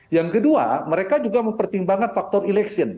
yang kedua mereka juga mempertimbangkan faktor election